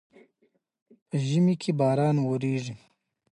د مرکزي سرور روم سیسټم د نصب او اجناسو